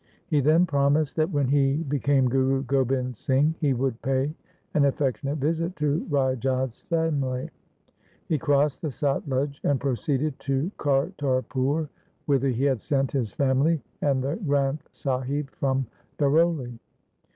He then promised that when he became Guru Gobind Singh, he would pay an affectionate visit to Rai Jodh's family. He crossed the Satluj and proceeded to Kartarpur, whither he had sent his family and the Granth Sahib from Daroli.